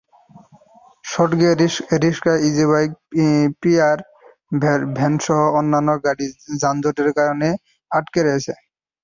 সড়কে rickshaw, easy bike, pickup ভ্যানসহ অন্যান্য গাড়ি যানজটের কারণে আটকে রয়েছে।